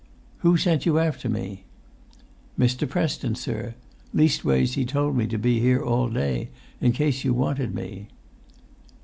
"Who sent you after me?" "Mr. Preston, sir; leastways, he told me to be here all day, in case you wanted me."